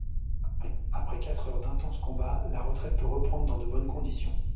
Après quatre heures d'intenses combats, la retraite peut reprendre dans de bonnes conditions.